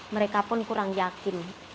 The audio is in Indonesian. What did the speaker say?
mereka pun kurang yakin